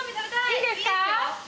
いいですよ。